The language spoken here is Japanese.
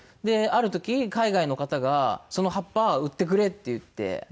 ある時海外の方がその葉っぱ売ってくれって言って。